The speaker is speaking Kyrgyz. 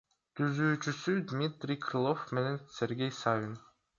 Түзүүчүсү — Дмитрий Крылов менен Сергей Савин.